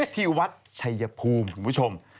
ที่วัดชัยภูมิคุณผู้ชม